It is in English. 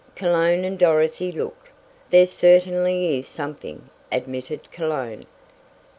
Cologne and Dorothy looked. "There certainly is something," admitted Cologne.